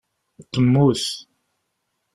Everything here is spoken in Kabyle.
Temmut